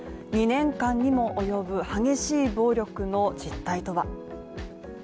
２年間にも及ぶ激しい暴力の実態とは。